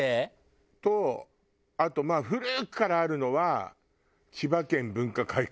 あと古くからあるのは千葉県文化会館。